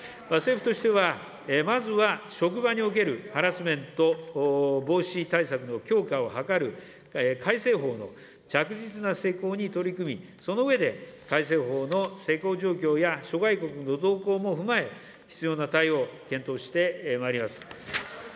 政府としては、まずは職場におけるハラスメント防止対策の強化を図る改正法の着実な施行に取り組み、その上で、改正法の施行状況や諸外国の動向も踏まえ、必要な対応を検討してまいります。